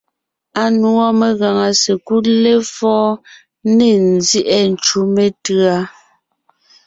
Anùɔ megàŋa sekúd lefɔ̌ɔn ne nzyɛ́ʼɛ ncú metʉ̌a.